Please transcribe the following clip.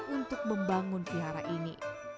untuk membangun pihara ini